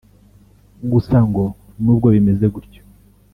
Gusa ngo n’ubwo bimeze gutyo